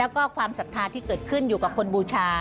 แล้วก็ความศรัทธาที่เกิดขึ้นอยู่กับคนบูชา